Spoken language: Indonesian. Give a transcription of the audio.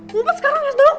ngumpet sekarang hasbalok